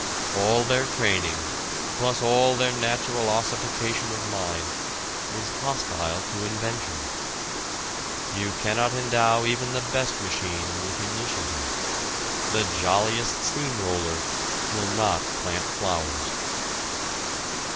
All their training plus all their natural ossification of mind is hostile to invention. You cannot endow even the best machine with initiative; the jolliest steam roller will not plant flowers.